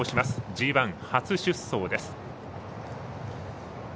ＧＩ初出走です。